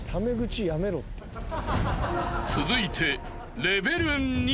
［続いて］